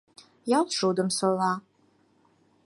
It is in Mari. Ял шудым сола...